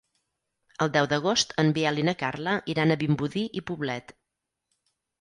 El deu d'agost en Biel i na Carla iran a Vimbodí i Poblet.